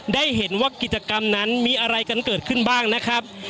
ได้เห็นว่ากิจกรรมนั้นมีอะไรกันเกิดขึ้นบ้างนะครับ